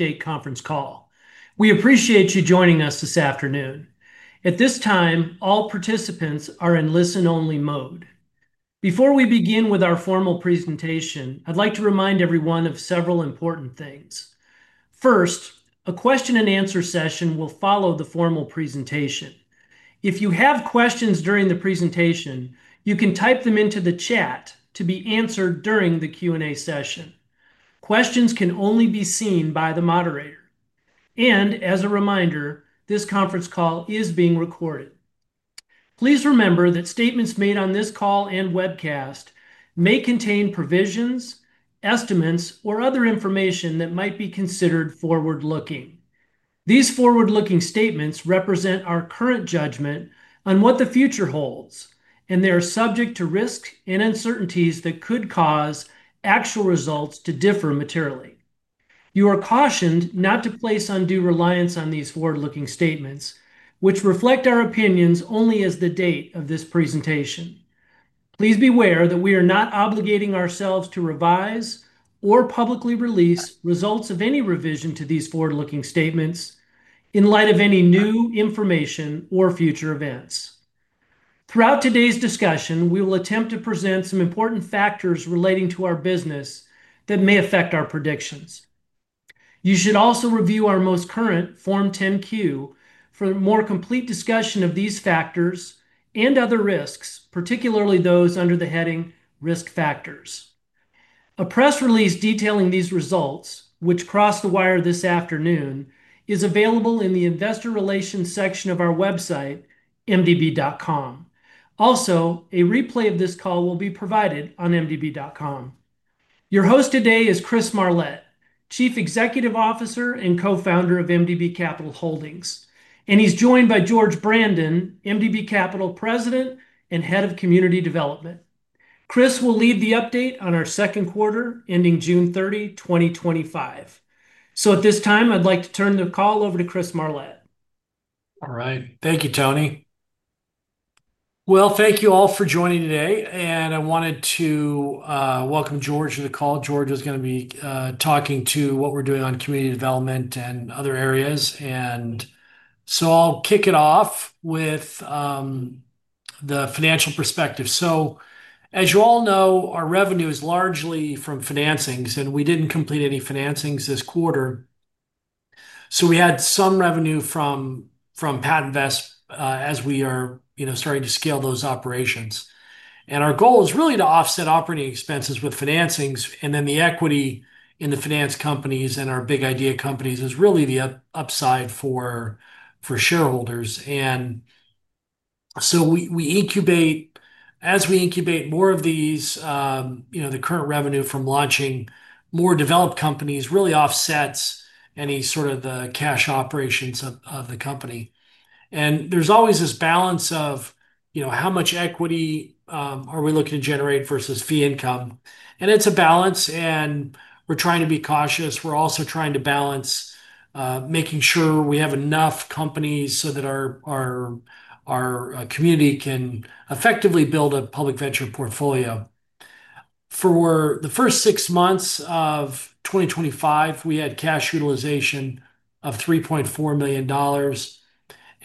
Update conference call. We appreciate you joining us this afternoon. At this time, all participants are in listen-only mode. Before we begin with our formal presentation, I'd like to remind everyone of several important things. First, a question and answer session will follow the formal presentation. If you have questions during the presentation, you can type them into the chat to be answered during the Q&A session. Questions can only be seen by the moderator. As a reminder, this conference call is being recorded. Please remember that statements made on this call and webcast may contain provisions, estimates, or other information that might be considered forward-looking. These forward-looking statements represent our current judgment on what the future holds, and they are subject to risks and uncertainties that could cause actual results to differ materially. You are cautioned not to place undue reliance on these forward-looking statements, which reflect our opinions only as of the date of this presentation. Please be aware that we are not obligating ourselves to revise or publicly release results of any revision to these forward-looking statements in light of any new information or future events. Throughout today's discussion, we will attempt to present some important factors relating to our business that may affect our predictions. You should also review our most current Form 10-Q for a more complete discussion of these factors and other risks, particularly those under the heading Risk Factors. A press release detailing these results, which crossed the wire this afternoon, is available in the Investor Relations section of our website, mdb.com. Also, a replay of this call will be provided on mdb.com. Your host today is Chris Marlett, Chief Executive Officer and Co-Founder of MDB Capital Holdings. He's joined by George Brandon, MDB Capital President and Head of Community Development. Christopher will lead the update on our second quarter ending June 30, 2025. At this time, I'd like to turn the call over to Chris Marlett. All right. Thank you, Tony. Thank you all for joining today. I wanted to welcome George to the call. George is going to be talking to what we're doing on community development and other areas. I'll kick it off with the financial perspective. As you all know, our revenue is largely from financings, and we didn't complete any financings this quarter. We had some revenue from PatentVest as we are starting to scale those operations. Our goal is really to offset operating expenses with financings, and then the equity in the financed companies and our big idea companies is really the upside for shareholders. As we incubate more of these, the current revenue from launching more developed companies really offsets any sort of the cash operations of the company. There's always this balance of how much equity are we looking to generate versus fee income. It's a balance, and we're trying to be cautious. We're also trying to balance making sure we have enough companies so that our community can effectively build a public venture portfolio. For the first six months of 2025, we had cash utilization of $3.4 million.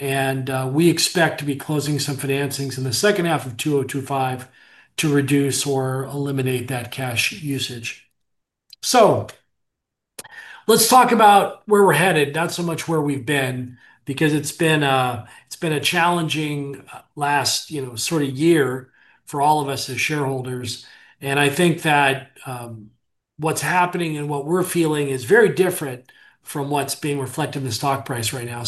We expect to be closing some financings in the second half of 2025 to reduce or eliminate that cash usage. Let's talk about where we're headed, not so much where we've been, because it's been a challenging last year for all of us as shareholders. I think that what's happening and what we're feeling is very different from what's being reflected in the stock price right now.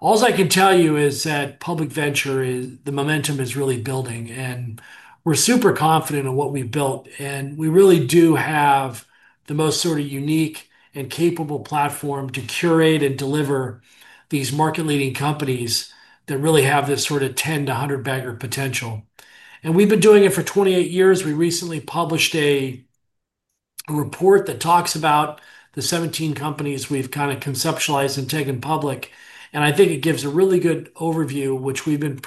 All I can tell you is that public venture, the momentum is really building, and we're super confident in what we built. We really do have the most unique and capable platform to curate and deliver these market-leading companies that really have this sort of 10 to 100-bagger potential. We've been doing it for 28 years. We recently published a report that talks about the 17 companies we've kind of conceptualized and taken public. I think it gives a really good overview, which we've been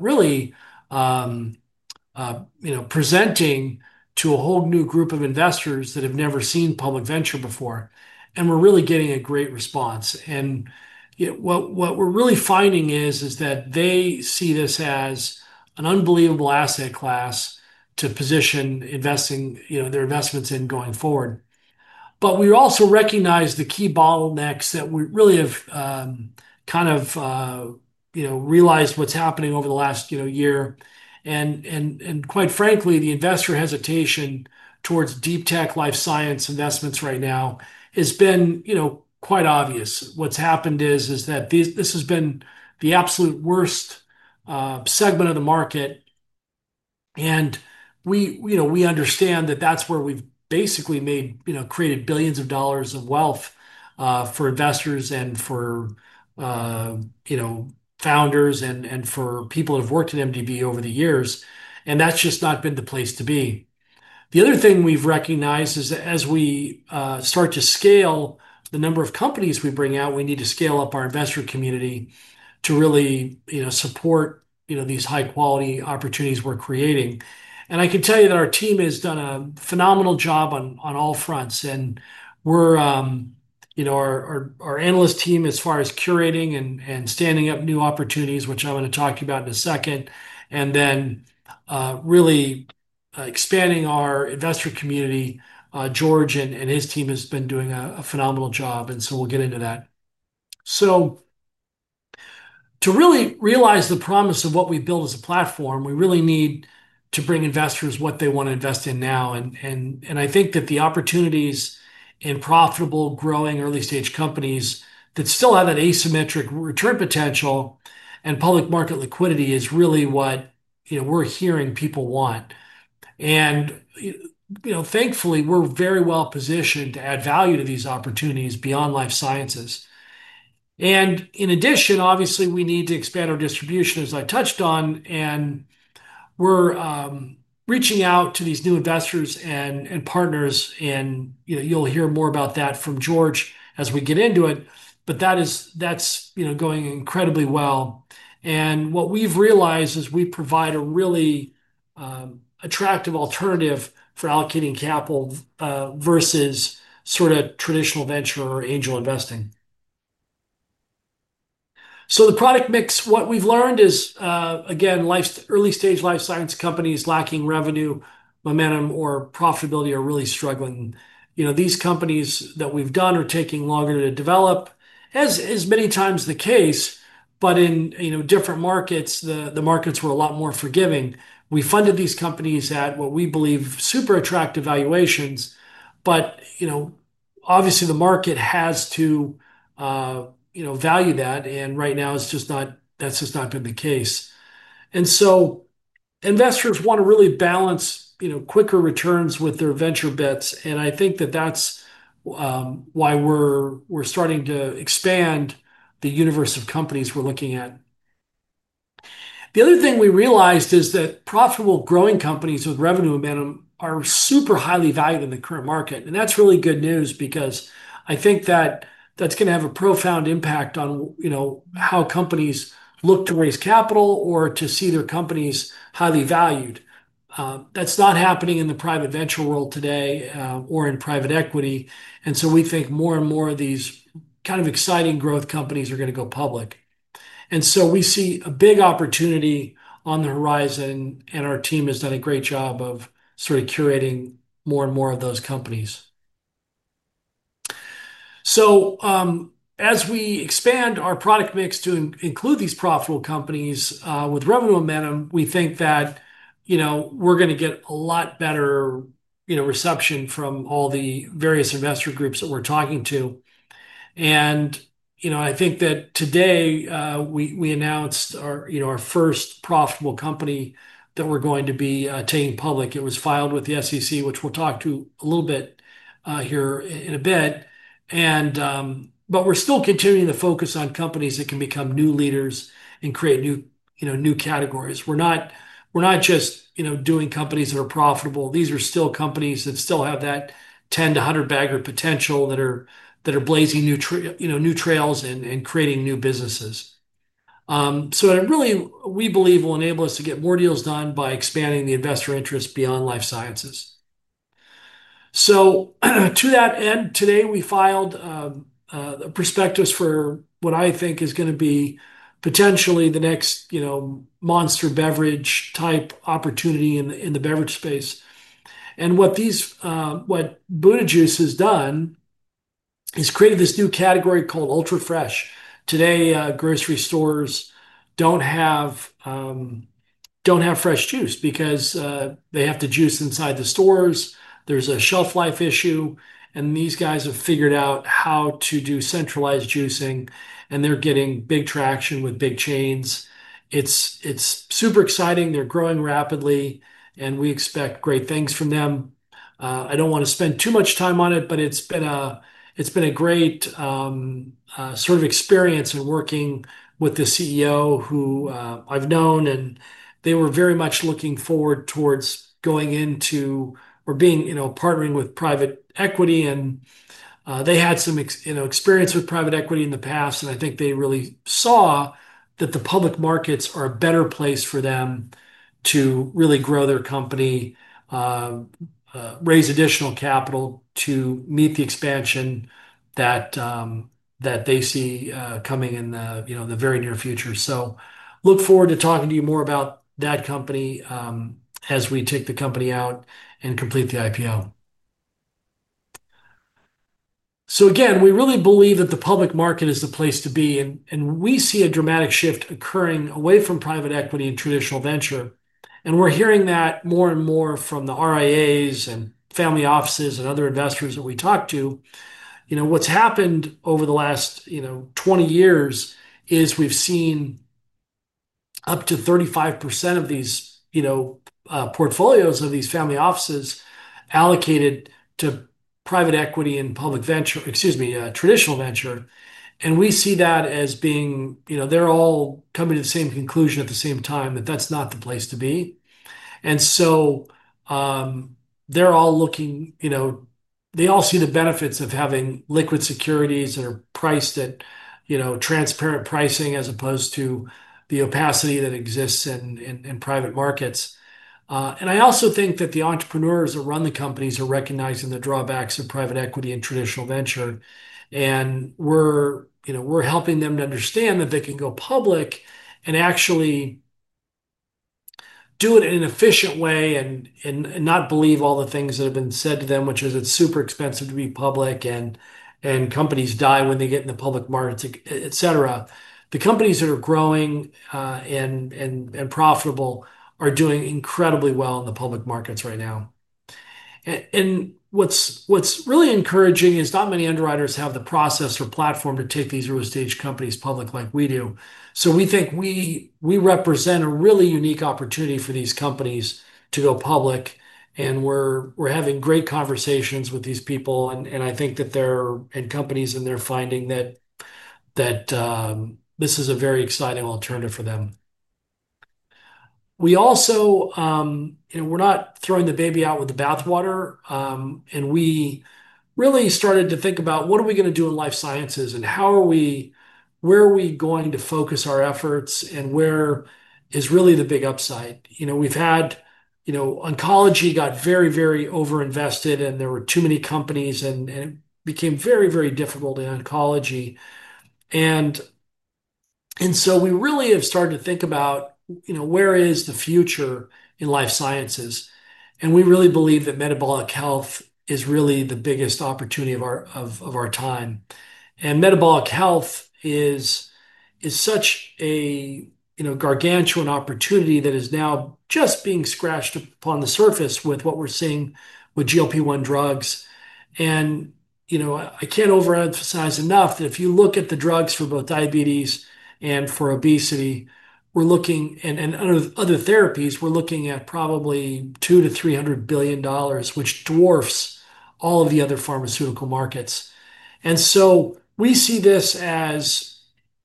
really presenting to a whole new group of investors that have never seen public venture before. We're really getting a great response. What we're really finding is that they see this as an unbelievable asset class to position their investments in going forward. We also recognize the key bottlenecks that we really have kind of realized what's happening over the last year. Quite frankly, the investor hesitation towards deep tech life science investments right now has been quite obvious. What's happened is that this has been the absolute worst segment of the market. We understand that that's where we've basically created billions of dollars of wealth for investors and for founders and for people who have worked at MDB over the years. That's just not been the place to be. The other thing we've recognized is that as we start to scale the number of companies we bring out, we need to scale up our investor community to really support these high-quality opportunities we're creating. I can tell you that our team has done a phenomenal job on all fronts. Our analyst team, as far as curating and standing up new opportunities, which I'm going to talk to you about in a second, and then really expanding our investor community, George and his team have been doing a phenomenal job. We'll get into that. To really realize the promise of what we build as a platform, we really need to bring investors what they want to invest in now. I think that the opportunities in profitable, growing early-stage companies that still have that asymmetric return potential and public market liquidity is really what we're hearing people want. Thankfully, we're very well positioned to add value to these opportunities beyond life sciences. In addition, obviously, we need to expand our distribution, as I touched on. We're reaching out to these new investors and partners, and you'll hear more about that from George as we get into it. That is going incredibly well. What we've realized is we provide a really attractive alternative for allocating capital versus sort of traditional venture or angel investing. The product mix, what we've learned is, again, early-stage life science companies lacking revenue, momentum, or profitability are really struggling. These companies that we've done are taking longer to develop, as is many times the case. In different markets, the markets were a lot more forgiving. We funded these companies at what we believe are super attractive valuations. Obviously, the market has to value that. Right now, it's just not been the case. Investors want to really balance quicker returns with their venture bets. I think that's why we're starting to expand the universe of companies we're looking at. The other thing we realized is that profitable, growing companies with revenue momentum are super highly valued in the current market. That's really good news because I think that's going to have a profound impact on how companies look to raise capital or to see their companies highly valued. That's not happening in the private venture world today or in private equity. We think more and more of these kind of exciting growth companies are going to go public. We see a big opportunity on the horizon. Our team has done a great job of curating more and more of those companies. As we expand our product mix to include these profitable companies with revenue momentum, we think that we're going to get a lot better reception from all the various investor groups that we're talking to. I think that today we announced our first profitable company that we're going to be taking public. It was filed with the SEC, which we'll talk to a little bit here in a bit. We're still continuing to focus on companies that can become new leaders and create new categories. We're not just doing companies that are profitable. These are still companies that still have that 10 to 100 bagger potential that are blazing new trails and creating new businesses. We believe it will enable us to get more deals done by expanding the investor interest beyond life sciences. To that end, today we filed a prospectus for what I think is going to be potentially the next monster beverage type opportunity in the beverage space. What Buda Juice has done is created this new category called UltraFresh. Today, grocery stores don't have fresh juice because they have to juice inside the stores. There's a shelf life issue. These guys have figured out how to do centralized juicing. They're getting big traction with big chains. It's super exciting. They're growing rapidly. We expect great things from them. I don't want to spend too much time on it, but it's been a great sort of experience in working with the CEO who I've known. They were very much looking forward towards going into or being, you know, partnering with private equity. They had some experience with private equity in the past. I think they really saw that the public markets are a better place for them to really grow their company, raise additional capital to meet the expansion that they see coming in the very near future. I look forward to talking to you more about that company as we take the company out and complete the IPO. We really believe that the public market is the place to be. We see a dramatic shift occurring away from private equity and traditional venture. We're hearing that more and more from the RIAs and family offices and other investors that we talk to. What's happened over the last 20 years is we've seen up to 35% of these portfolios of these family offices allocated to private equity and traditional venture. We see that as being, you know, they're all coming to the same conclusion at the same time that that's not the place to be. They're all looking, they all see the benefits of having liquid securities that are priced at transparent pricing as opposed to the opacity that exists in private markets. I also think that the entrepreneurs that run the companies are recognizing the drawbacks of private equity and traditional venture. We're helping them to understand that they can go public and actually do it in an efficient way and not believe all the things that have been said to them, which is it's super expensive to be public and companies die when they get in the public markets, etc. The companies that are growing and profitable are doing incredibly well in the public markets right now. What's really encouraging is not many underwriters have the process or platform to take these early-stage companies public like we do. We think we represent a really unique opportunity for these companies to go public. We're having great conversations with these people. I think that they're and companies in there finding that this is a very exciting alternative for them. We also, you know, we're not throwing the baby out with the bathwater. We really started to think about what are we going to do in life sciences and how are we, where are we going to focus our efforts and where is really the big upside. We've had oncology got very, very overinvested and there were too many companies and it became very, very difficult in oncology. We really have started to think about where is the future in life sciences. We really believe that metabolic health is really the biggest opportunity of our time. Metabolic health is such a gargantuan opportunity that is now just being scratched upon the surface with what we're seeing with GLP-1 drugs. I can't overemphasize enough that if you look at the drugs for both diabetes and for obesity, and other therapies, we're looking at probably $200 billion-$300 billion, which dwarfs all of the other pharmaceutical markets. We see this as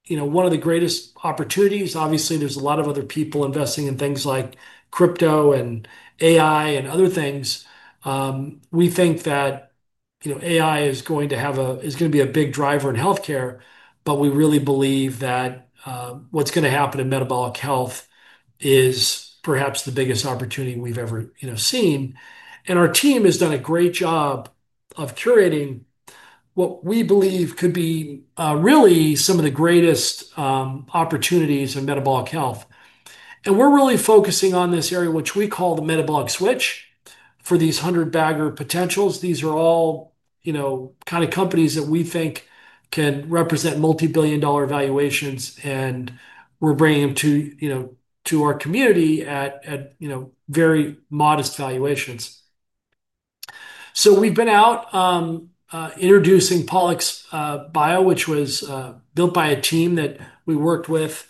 one of the greatest opportunities. Obviously, there's a lot of other people investing in things like crypto and AI and other things. We think that AI is going to be a big driver in healthcare, but we really believe that what's going to happen in metabolic health is perhaps the biggest opportunity we've ever seen. Our team has done a great job of curating what we believe could be really some of the greatest opportunities in metabolic health. We're really focusing on this area, which we call the metabolic switch for these 100 bagger potentials. These are all kind of companies that we think can represent multi-billion dollar valuations. We're bringing them to our community at very modest valuations. We've been out introducing Paulex Bio, which was built by a team that we worked with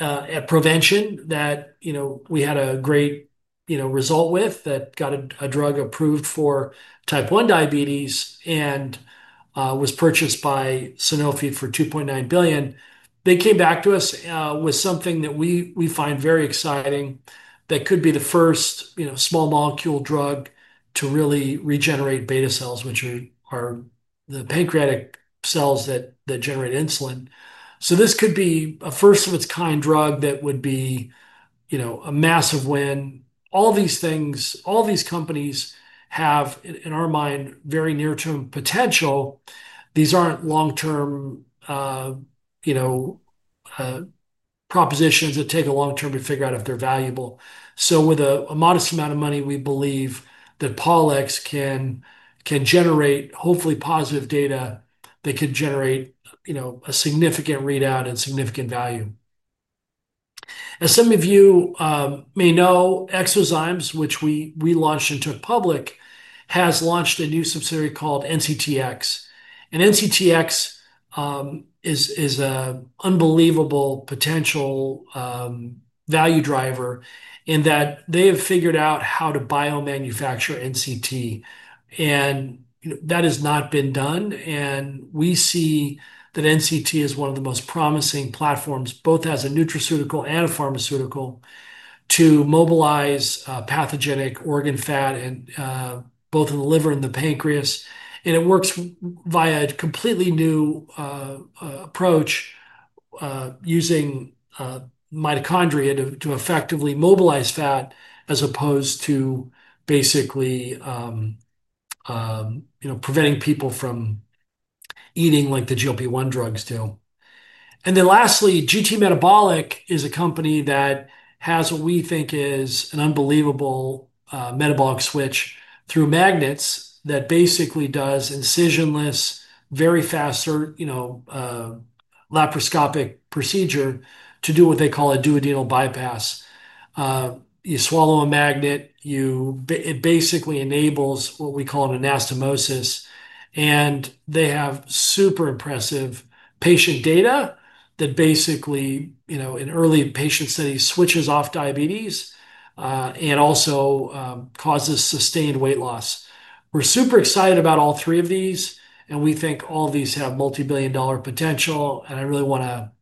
at Provention that we had a great result with that got a drug approved for Type 1 diabetes and was purchased by Sanofi for $2.9 billion. They came back to us with something that we find very exciting that could be the first small molecule drug to really regenerate beta cells, which are the pancreatic cells that generate insulin. This could be a first-of-its-kind drug that would be a massive win. All these things, all these companies have, in our mind, very near-term potential. These aren't long-term propositions that take a long time to figure out if they're valuable. With a modest amount of money, we believe that Paulex can generate hopefully positive data that can generate significant readout and significant value. As some of you may know, eXoZymes, which we launched and took public, has launched a new subsidiary called NCTx. NCTx is an unbelievable potential value driver in that they have figured out how to biomanufacture NCT. That has not been done. We see that NCT is one of the most promising platforms, both as a nutraceutical and a pharmaceutical, to mobilize pathogenic organ fat in both the liver and the pancreas. It works via a completely new approach using mitochondria to effectively mobilize fat as opposed to basically preventing people from eating like the GLP-1 drugs do. Lastly, GT Metabolic is a company that has what we think is an unbelievable metabolic switch through magnets that basically does incisionless, very fast laparoscopic procedure to do what they call a duodenal bypass. You swallow a magnet. It basically enables what we call an anastomosis. They have super impressive patient data that in early patient studies, switches off diabetes and also causes sustained weight loss. We're super excited about all three of these. We think all of these have multi-billion dollar potential. I really want to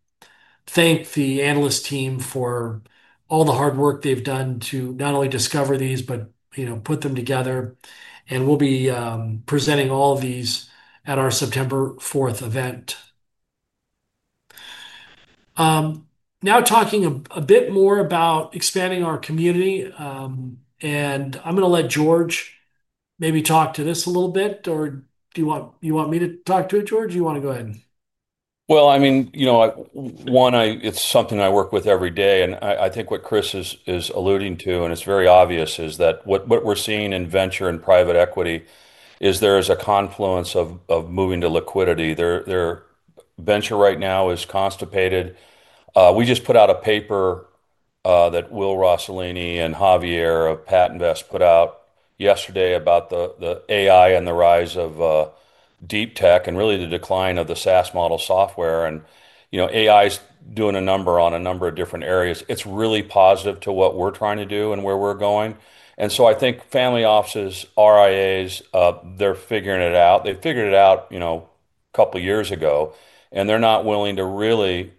thank the analyst team for all the hard work they've done to not only discover these, but put them together. We'll be presenting all of these at our September 4th event. Now talking a bit more about expanding our community. I'm going to let George maybe talk to this a little bit. Do you want to go ahead? One, it's something I work with every day. I think what Chris is alluding to, and it's very obvious, is that what we're seeing in venture and private equity is there is a confluence of moving to liquidity. Venture right now is constipated. We just put out a paper that Will Rosellini and Javier of PatentVest put out yesterday about the AI and the rise of deep tech and really the decline of the SaaS model software. AI is doing a number on a number of different areas. It's really positive to what we're trying to do and where we're going. I think family offices, RIAs, they're figuring it out. They figured it out a couple of years ago. They're not willing to really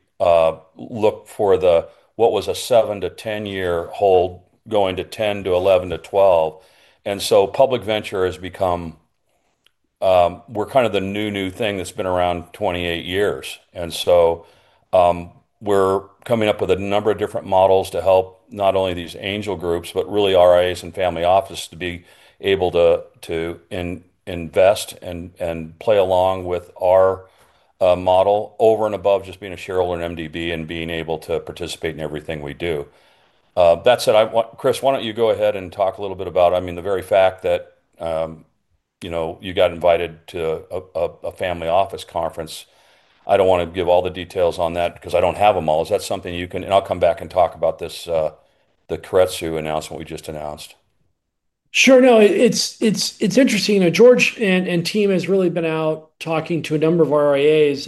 look for what was a seven to 10-year hold going to 10 to 11 to 12. Public venture has become, we're kind of the new, new thing that's been around 28 years. We're coming up with a number of different models to help not only these angel groups, but really RIAs and family offices to be able to invest and play along with our model over and above just being a shareholder in MDB and being able to participate in everything we do. That said, Chris, why don't you go ahead and talk a little bit about, I mean, the very fact that you got invited to a family office conference. I don't want to give all the details on that because I don't have them all. Is that something you can, and I'll come back and talk about this, the Keiretsu announcement we just announced? Sure. No, it's interesting. George and team have really been out talking to a number of RIAs.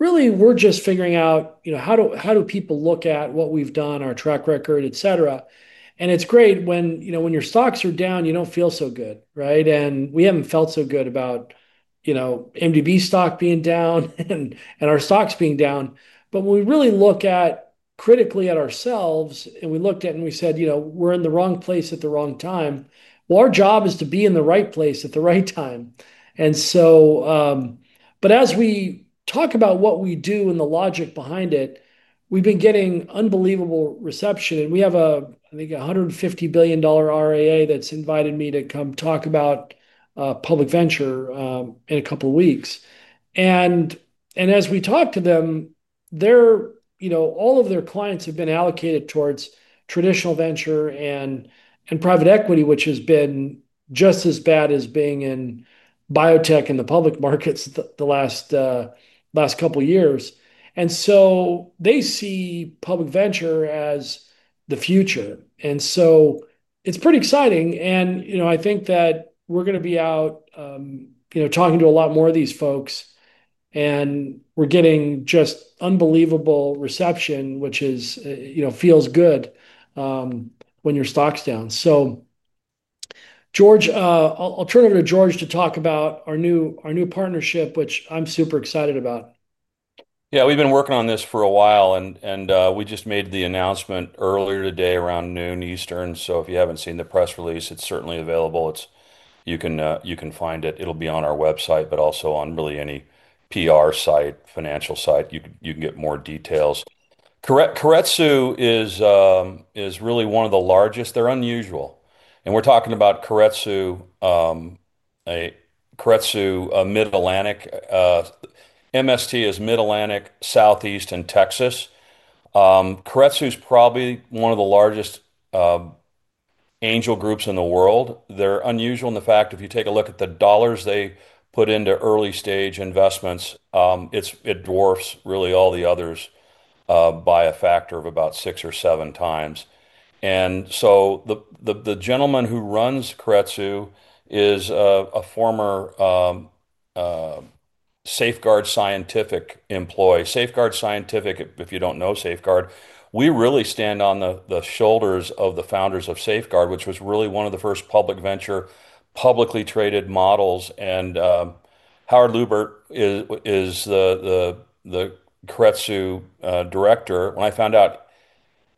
We're just figuring out, you know, how do people look at what we've done, our track record, etc. It's great when, you know, when your stocks are down, you don't feel so good, right? We haven't felt so good about, you know, MDB stock being down and our stocks being down. When we really look critically at ourselves and we looked at it and we said, you know, we're in the wrong place at the wrong time. Our job is to be in the right place at the right time. As we talk about what we do and the logic behind it, we've been getting unbelievable reception. We have a, I think, $150 billion RIA that's invited me to come talk about public venture in a couple of weeks. As we talk to them, they're, you know, all of their clients have been allocated towards traditional venture and private equity, which has been just as bad as being in biotech and the public markets the last couple of years. They see public venture as the future. It's pretty exciting. I think that we're going to be out, you know, talking to a lot more of these folks. We're getting just unbelievable reception, which is, you know, feels good when your stock's down. George, I'll turn it over to George to talk about our new partnership, which I'm super excited about. Yeah, we've been working on this for a while. We just made the announcement earlier today around noon Eastern. If you haven't seen the press release, it's certainly available. You can find it. It'll be on our website, but also on really any PR site, financial site, you can get more details. Keiretsu is really one of the largest. They're unusual. We're talking about Keiretsu, Keiretsu Mid-Atlantic. MST is Mid-Atlantic, Southeast, and Texas. Keiretsu is probably one of the largest angel groups in the world. They're unusual in the fact if you take a look at the dollars they put into early-stage investments, it dwarfs really all the others by a factor of about six or 7x. The gentleman who runs Keiretsu is a former Safeguard Scientifics employee. Safeguard Scientifics, if you don't know Safeguard, we really stand on the shoulders of the founders of Safeguard, which was really one of the first public venture, publicly traded models. Howard Lubert is the Keiretsu director. When I found out,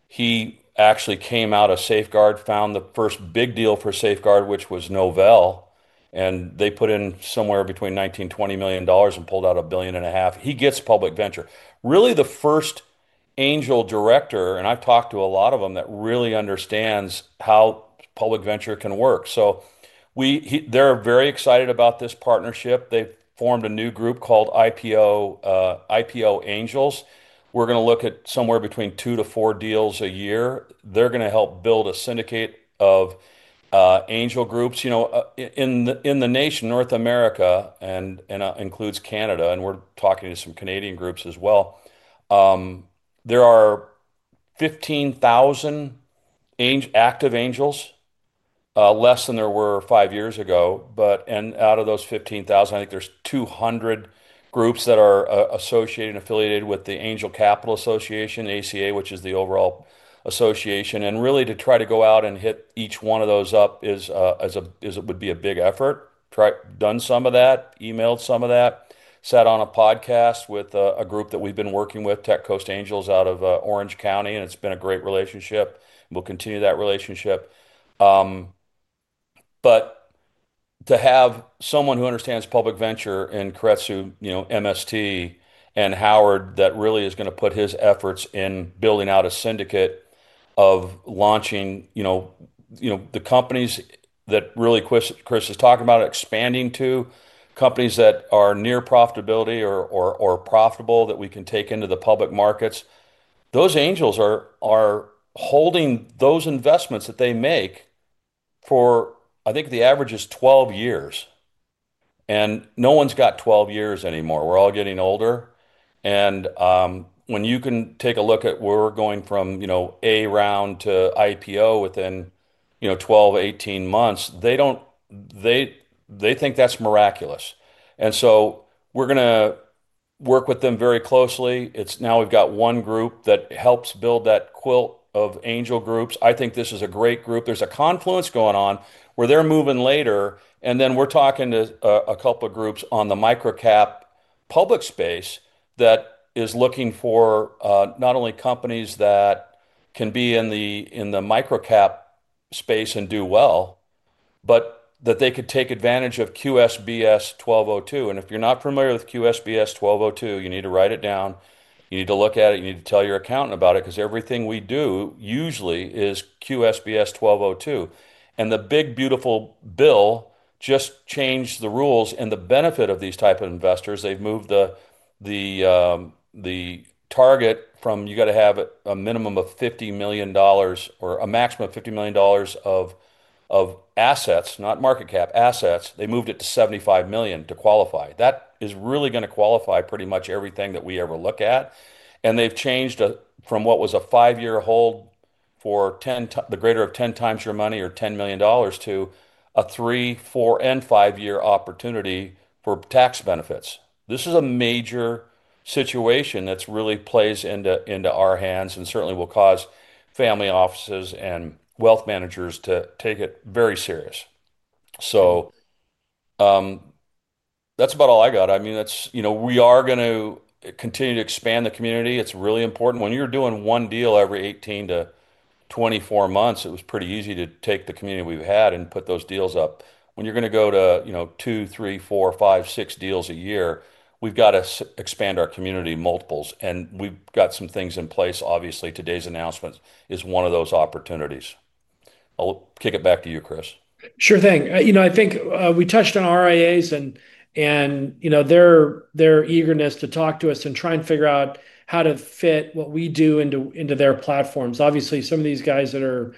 he actually came out of Safeguard, found the first big deal for Safeguard, which was Novell, and they put in somewhere between $19 million, $20 million and pulled out a $1.5 billion. He gets public venture. Really, the first angel director, and I've talked to a lot of them that really understands how public venture can work. They're very excited about this partnership. They formed a new group called IPO Angels. We're going to look at somewhere between two to four deals a year. They're going to help build a syndicate of angel groups in the nation, North America, and it includes Canada. We're talking to some Canadian groups as well. There are 15,000 active angels, less than there were five years ago. Out of those 15,000, I think there's 200 groups that are associated and affiliated with the Angel Capital Association, ACA, which is the overall association. Really, to try to go out and hit each one of those up is a, is it would be a big effort. Tried some of that, emailed some of that, sat on a podcast with a group that we've been working with, Tech Coast Angels out of Orange County. It's been a great relationship. We'll continue that relationship. To have someone who understands public venture in Keiretsu, MST, and Howard, that really is going to put his efforts in building out a syndicate of launching, you know, the companies that really Chris is talking about expanding to, companies that are near profitability or profitable that we can take into the public markets. Those angels are holding those investments that they make for, I think the average is 12 years. No one's got 12 years anymore. We're all getting older. When you can take a look at where we're going from, you know, A round to IPO within, you know, 12, 18 months, they don't, they think that's miraculous. We're going to work with them very closely. Now we've got one group that helps build that quilt of angel groups. I think this is a great group. There's a confluence going on where they're moving later. We're talking to a couple of groups on the micro-cap public space that is looking for not only companies that can be in the micro-cap space and do well, but that they could take advantage of QSBS 1202. If you're not familiar with QSBS 1202, you need to write it down. You need to look at it. You need to tell your accountant about it because everything we do usually is QSBS 1202. The big beautiful bill just changed the rules and the benefit of these types of investors. They've moved the target from you got to have a minimum of $50 million or a maximum of $50 million of assets, not market cap, assets. They moved it to $75 million to qualify. That is really going to qualify pretty much everything that we ever look at. They've changed from what was a five-year hold for the greater of 10x your money or $10 million to a three, four, and five-year opportunity for tax benefits. This is a major situation that really plays into our hands and certainly will cause family offices and wealth managers to take it very serious. That's about all I got. I mean, that's, you know, we are going to continue to expand the community. It's really important. When you're doing one deal every 18 to 24 months, it was pretty easy to take the community we've had and put those deals up. When you're going to go to, you know, two, three, four, five, six deals a year, we've got to expand our community multiples. We've got some things in place. Obviously, today's announcement is one of those opportunities. I'll kick it back to you, Chris. Sure thing. I think we touched on RIAs and their eagerness to talk to us and try and figure out how to fit what we do into their platforms. Obviously, some of these guys that are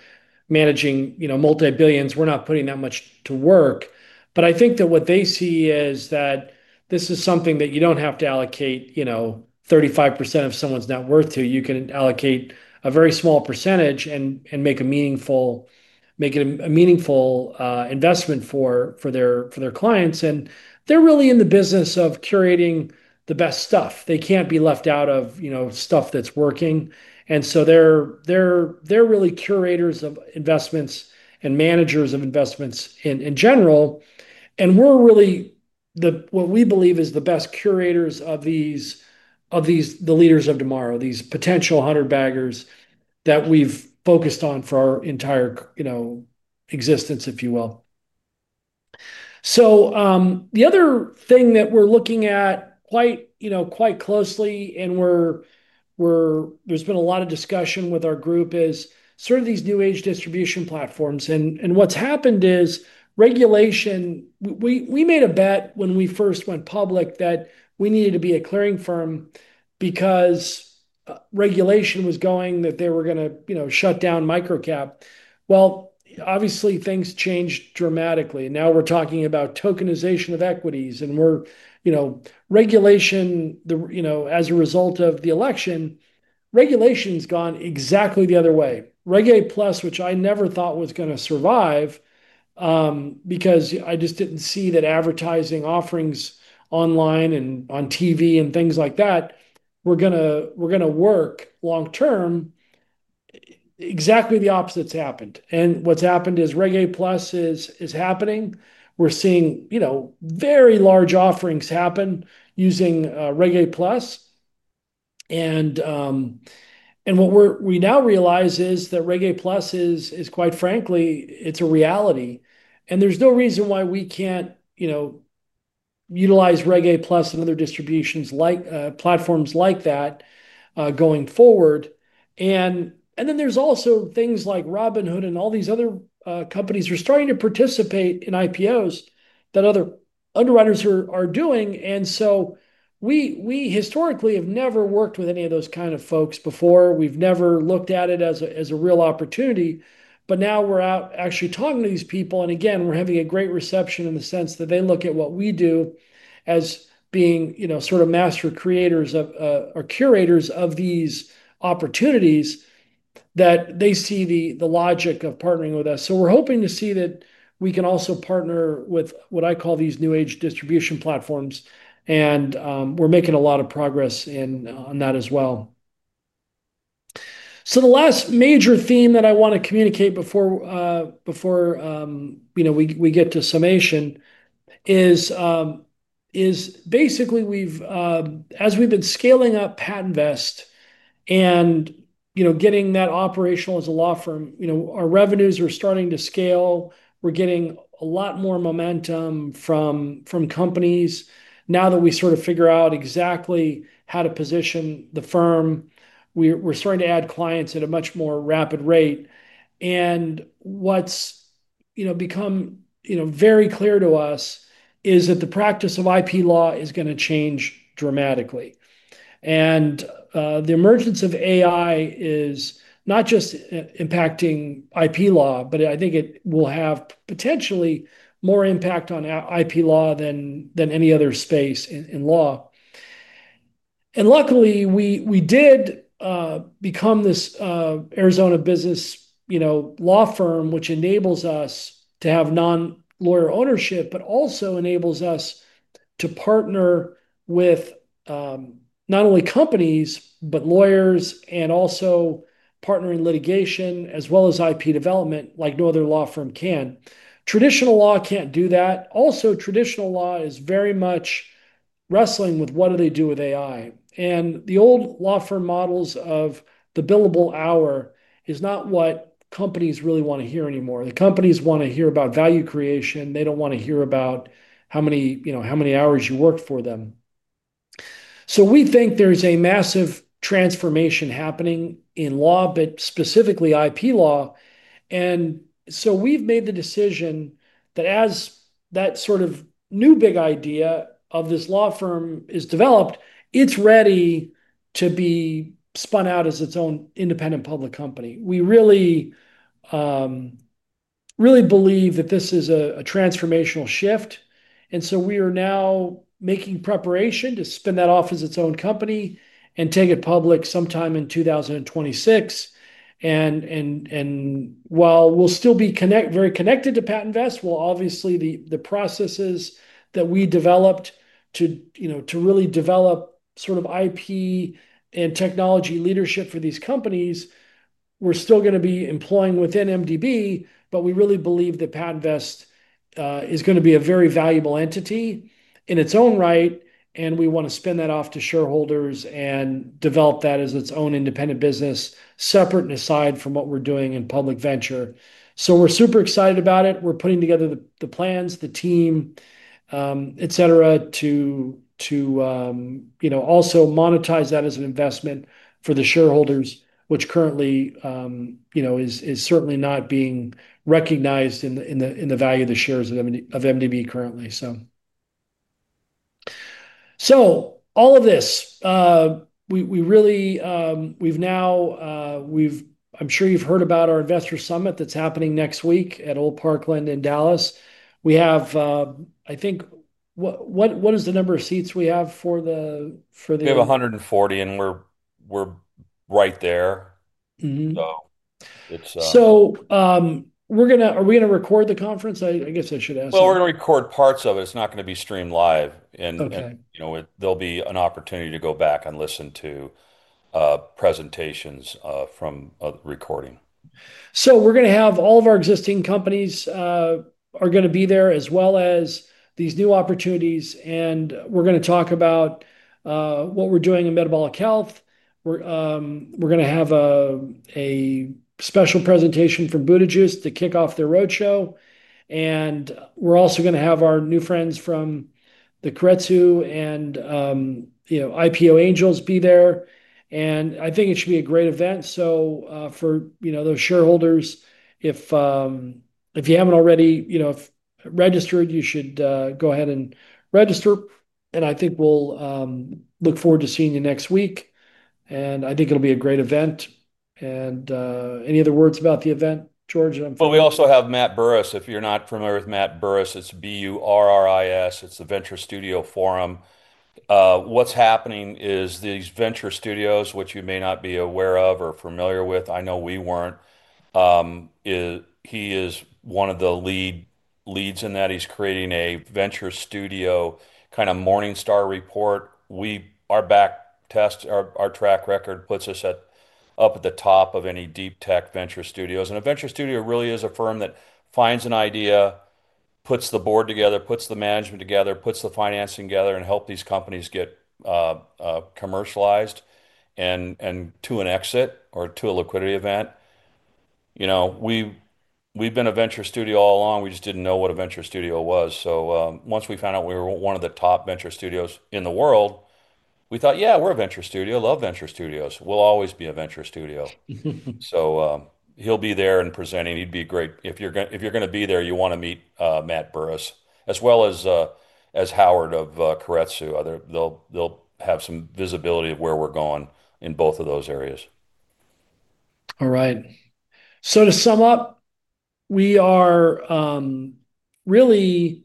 managing multi-billions, we're not putting that much to work. I think that what they see is that this is something that you don't have to allocate 35% of someone's net worth to. You can allocate a very small percentage and make a meaningful investment for their clients. They're really in the business of curating the best stuff. They can't be left out of stuff that's working. They're really curators of investments and managers of investments in general. We really believe we are the best curators of these, the leaders of tomorrow, these potential 100 baggers that we've focused on for our entire existence, if you will. The other thing that we're looking at quite closely, and there's been a lot of discussion with our group, is sort of these new age distribution platforms. What's happened is regulation. We made a bet when we first went public that we needed to be a clearing firm because regulation was going that they were going to shut down micro-cap. Obviously, things changed dramatically. Now we're talking about tokenization of equities. Regulation, as a result of the election, has gone exactly the other way. Reg A+, which I never thought was going to survive because I just didn't see that advertising offerings online and on TV and things like that were going to work long term, exactly the opposite's happened. What's happened is Reg A+ is happening. We're seeing very large offerings happen using Reg A+. What we now realize is that Reg A+ is, quite frankly, a reality. There's no reason why we can't utilize Reg A+ and other distributions like platforms like that going forward. There's also things like Robinhood and all these other companies are starting to participate in IPOs that other underwriters are doing. We historically have never worked with any of those kind of folks before. We've never looked at it as a real opportunity. Now we're out actually talking to these people. We're having a great reception in the sense that they look at what we do as being, you know, sort of master creators or curators of these opportunities. They see the logic of partnering with us. We're hoping to see that we can also partner with what I call these new age distribution platforms. We're making a lot of progress on that as well. The last major theme that I want to communicate before we get to summation is basically, as we've been scaling up PatentVest and getting that operational as a law firm, our revenues are starting to scale. We're getting a lot more momentum from companies now that we sort of figure out exactly how to position the firm. We're starting to add clients at a much more rapid rate. What's become very clear to us is that the practice of IP law is going to change dramatically. The emergence of AI is not just impacting IP law, but I think it will have potentially more impact on IP law than any other space in law. Luckily, we did become this Arizona business law firm, which enables us to have non-lawyer ownership, but also enables us to partner with not only companies, but lawyers and also partner in litigation as well as IP development like no other law firm can. Traditional law can't do that. Traditional law is very much wrestling with what they do with AI. The old law firm models of the billable hour is not what companies really want to hear anymore. Companies want to hear about value creation. They don't want to hear about how many hours you work for them. We think there's a massive transformation happening in law, but specifically IP law. We've made the decision that as that sort of new big idea of this law firm is developed, it's ready to be spun out as its own independent public company. We really, really believe that this is a transformational shift. We are now making preparation to spin that off as its own company and take it public sometime in 2026. While we'll still be very connected to PatentVest, obviously, the processes that we developed to really develop sort of IP and technology leadership for these companies, we're still going to be employing within MDB, but we really believe that PatentVest is going to be a very valuable entity in its own right. We want to spin that off to shareholders and develop that as its own independent business, separate and aside from what we're doing in public venture. We are super excited about it. We're putting together the plans, the team, et cetera, to also monetize that as an investment for the shareholders, which currently is certainly not being recognized in the value of the shares of MDB currently. All of this, you've now, I'm sure you've heard about our Investor Summit that's happening next week at Old Parkland in Dallas. We have, I think, what is the number of seats we have for the? We have 140, and we're right there. Are we going to record the conference? I guess I should ask you. We're going to record parts of it. It's not going to be streamed live, and there'll be an opportunity to go back and listen to presentations from a recording. We're going to have all of our existing companies there as well as these new opportunities. We're going to talk about what we're doing in metabolic health. We're going to have a special presentation from Buda Juice to kick off the roadshow. We're also going to have our new friends from the Keiretsu and IPO Angels be there. I think it should be a great event. For those shareholders, if you haven't already registered, you should go ahead and register. I think we'll look forward to seeing you next week. I think it'll be a great event. Any other words about the event, George? We also have Matt Burris. If you're not familiar with Matt Burris, it's B-U-R-R-I-S. It's The Venture Studio Forum. What's happening is these Venture Studios, which you may not be aware of or familiar with, I know we weren't, he is one of the lead leads in that. He's creating a Venture Studio kind of Morningstar report. Our track record puts us up at the top of any deep tech Venture Studios. The Venture Studio really is a firm that finds an idea, puts the board together, puts the management together, puts the financing together, and helps these companies get commercialized and to an exit or to a liquidity event. We've been a Venture Studio all along. We just didn't know what a Venture Studio was. Once we found out we were one of the top Venture Studios in the world, we thought, yeah, we're a Venture Studio. Love Venture Studios. We'll always be a Venture Studio. He'll be there and presenting. He'd be great. If you're going to be there, you want to meet Matt Burris as well as Howard of Keiretsu. They'll have some visibility of where we're going in both of those areas. All right. To sum up, we are really,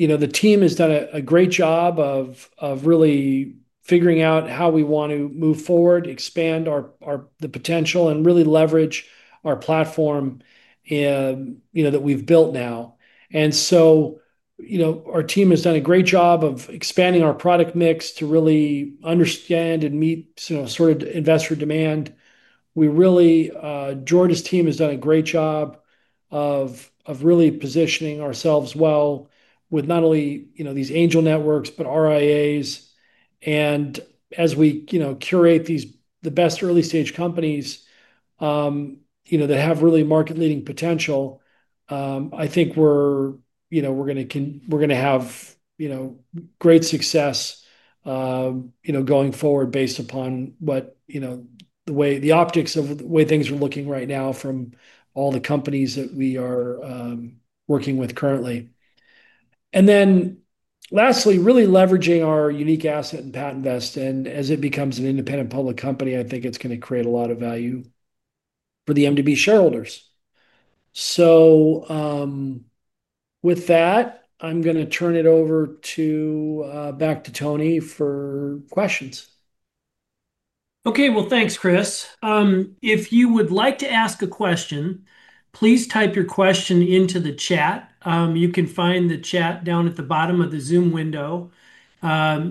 you know, the team has done a great job of really figuring out how we want to move forward, expand the potential, and really leverage our platform, you know, that we've built now. Our team has done a great job of expanding our product mix to really understand and meet, you know, sort of investor demand. George's team has done a great job of really positioning ourselves well with not only, you know, these angel networks, but RIAs. As we curate these, the best early-stage companies, you know, that have really market-leading potential, I think we're, you know, we're going to have, you know, great success, you know, going forward based upon what, you know, the way the optics of the way things are looking right now from all the companies that we are working with currently. Lastly, really leveraging our unique asset in PatentVest. As it becomes an independent public company, I think it's going to create a lot of value for the MDB shareholders. With that, I'm going to turn it over back to Tony for questions. Okay. Thanks, Chris. If you would like to ask a question, please type your question into the chat. You can find the chat down at the bottom of the Zoom window.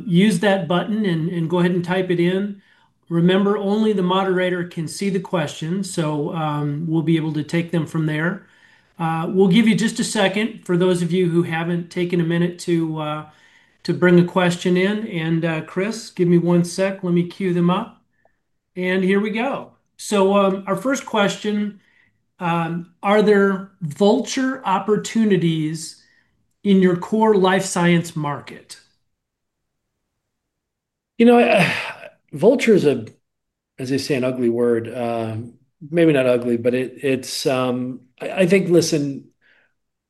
Use that button and go ahead and type it in. Remember, only the moderator can see the questions, so we'll be able to take them from there. We'll give you just a second for those of you who haven't taken a minute to bring a question in. Chris, give me one sec. Let me queue them up. Here we go. Our first question, are there vulture opportunities in your core life science market? You know, vulture is, as they say, an ugly word. Maybe not ugly, but it's, I think, listen,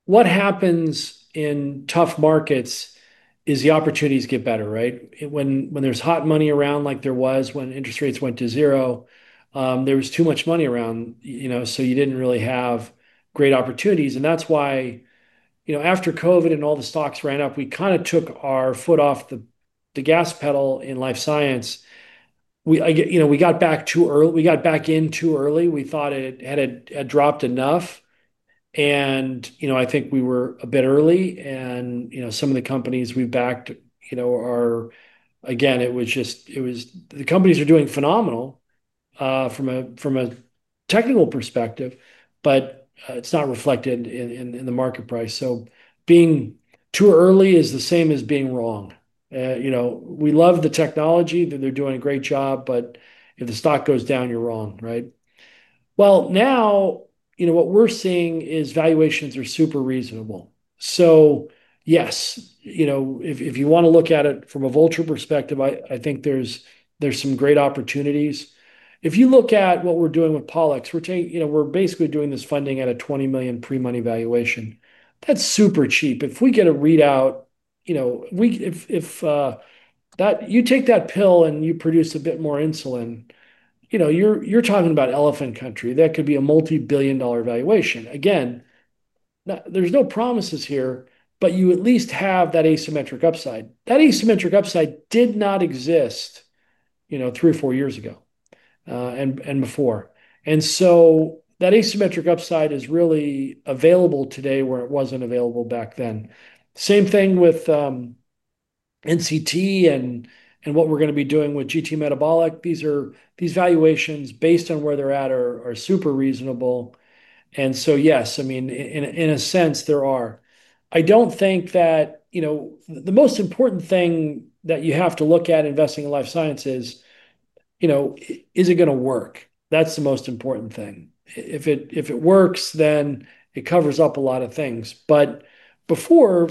what happens in tough markets is the opportunities get better, right? When there's hot money around, like there was when interest rates went to zero, there was too much money around, you know, so you didn't really have great opportunities. That's why, after COVID and all the stocks ran up, we kind of took our foot off the gas pedal in life science. We got back in too early. We thought it had dropped enough. I think we were a bit early. Some of the companies we backed, again, it was just, it was the companies are doing phenomenal from a technical perspective, but it's not reflected in the market price. Being too early is the same as being wrong. We love the technology, they're doing a great job, but if the stock goes down, you're wrong, right? Now, what we're seeing is valuations are super reasonable. Yes, if you want to look at it from a vulture perspective, I think there's some great opportunities. If you look at what we're doing with Paulex, we're basically doing this funding at a $20 million pre-money valuation. That's super cheap. If we get a readout, if you take that pill and you produce a bit more insulin, you're talking about elephant country. That could be a multi-billion dollar valuation. Again, there's no promises here, but you at least have that asymmetric upside. That asymmetric upside did not exist three or four years ago, and before. That asymmetric upside is really available today where it wasn't available back then. Same thing with NCT and what we're going to be doing with GT Metabolic. These valuations based on where they're at are super reasonable. Yes, in a sense, there are. I don't think that, the most important thing that you have to look at investing in life science is, is it going to work? That's the most important thing. If it works, then it covers up a lot of things. Before,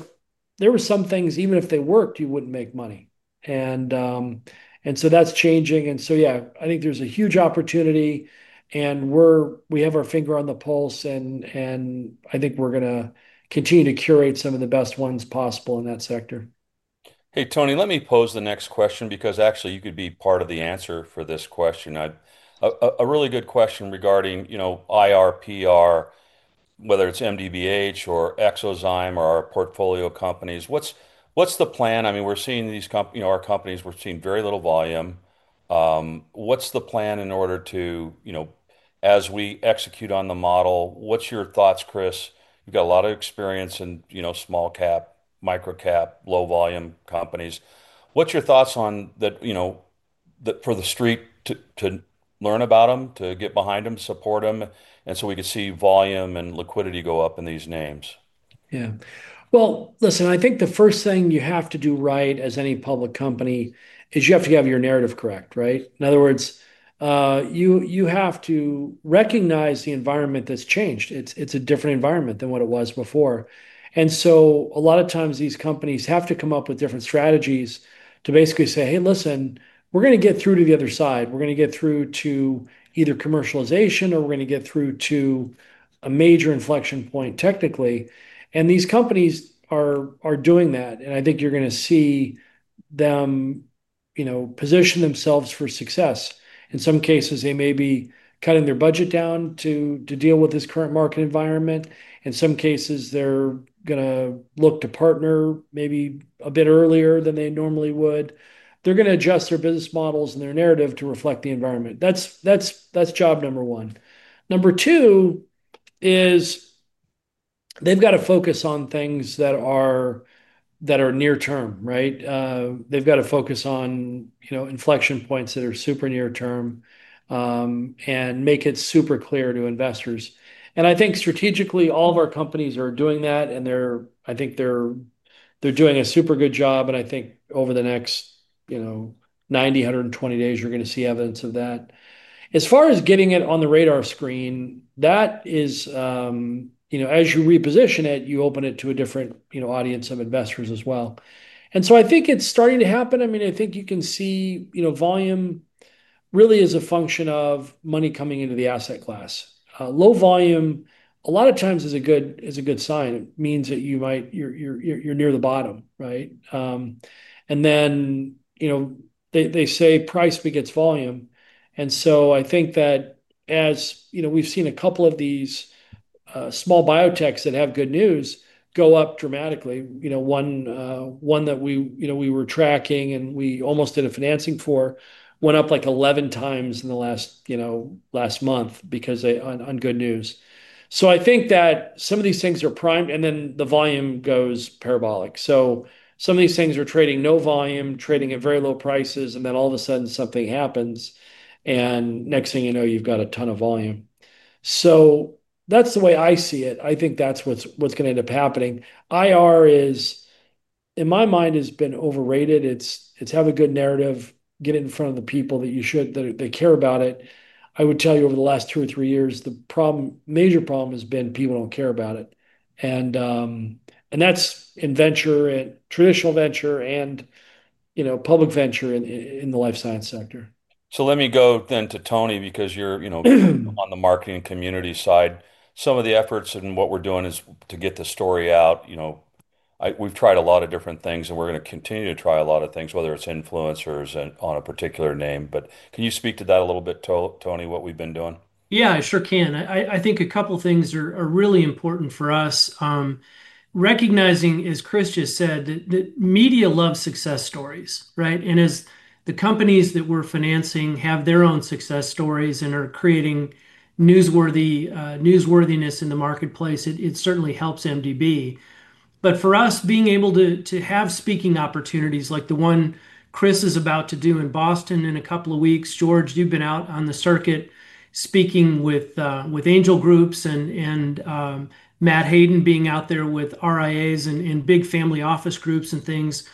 there were some things, even if they worked, you wouldn't make money. That's changing. Yeah, I think there's a huge opportunity. We have our finger on the pulse. I think we're going to continue to curate some of the best ones possible in that sector. Hey, Tony, let me pose the next question because actually, you could be part of the answer for this question. A really good question regarding, you know, IRPR, whether it's MDBH or eXoZymes, or our portfolio companies. What's the plan? I mean, we're seeing these, you know, our companies, we're seeing very little volume. What's the plan in order to, you know, as we execute on the model, what's your thoughts, Chris? You've got a lot of experience in, you know, small cap, micro cap, low volume companies. What's your thoughts on that, you know, for the street to learn about them, to get behind them, support them, and so we could see volume and liquidity go up in these names? Yeah. I think the first thing you have to do right, as any public company, is you have to have your narrative correct, right? In other words, you have to recognize the environment that's changed. It's a different environment than what it was before. A lot of times, these companies have to come up with different strategies to basically say, hey, listen, we're going to get through to the other side. We're going to get through to either commercialization or we're going to get through to a major inflection point technically. These companies are doing that. I think you're going to see them position themselves for success. In some cases, they may be cutting their budget down to deal with this current market environment. In some cases, they're going to look to partner maybe a bit earlier than they normally would. They're going to adjust their business models and their narrative to reflect the environment. That's job number one. Number two is they've got to focus on things that are near term, right? They've got to focus on inflection points that are super near term and make it super clear to investors. I think strategically, all of our companies are doing that. I think they're doing a super good job. I think over the next 90, 120 days, you're going to see evidence of that. As far as getting it on the radar screen, that is, as you reposition it, you open it to a different audience of investors as well. I think it's starting to happen. I mean, I think you can see volume really is a function of money coming into the asset class. Low volume, a lot of times, is a good sign. It means that you might, you're near the bottom, right? They say price begets volume. I think that as we've seen a couple of these small biotechs that have good news go up dramatically. One that we were tracking and we almost did a financing for went up like 11x in the last month because on good news. I think that some of these things are prime, and then the volume goes parabolic. Some of these things are trading no volume, trading at very low prices, and then all of a sudden, something happens. Next thing you know, you've got a ton of volume. That's the way I see it. I think that's what's going to end up happening. IR, in my mind, has been overrated. It's have a good narrative, get it in front of the people that you should, that they care about it. I would tell you over the last two or three years, the major problem has been people don't care about it. That's in venture, in traditional venture, and public venture in the life sciences sector. Let me go to Tony because you're on the marketing community side. Some of the efforts and what we're doing is to get the story out. We've tried a lot of different things, and we're going to continue to try a lot of things, whether it's influencers and on a particular name. Can you speak to that a little bit, Tony, what we've been doing? Yeah, I sure can. I think a couple of things are really important for us. Recognizing, as Chris just said, that media loves success stories, right? As the companies that we're financing have their own success stories and are creating newsworthiness in the marketplace, it certainly helps MDB. For us, being able to have speaking opportunities like the one Chris is about to do in Boston in a couple of weeks, George, you've been out on the circuit speaking with angel groups and Matt Hayden being out there with RIAs and big family office groups and things,